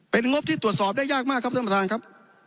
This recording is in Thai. เป็นงบที่ตรวจสอบได้ยากมากครับท่านประธานครับ